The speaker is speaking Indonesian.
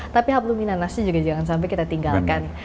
tapi haplumin nanasnya juga jangan sampai kita tinggalkan